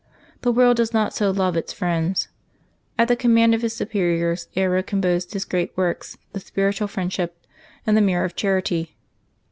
The world does not so love its friends. At the conmaand of his superiors Aelred composed his great works, the Spiritual Friendship and the Mirror of Charity.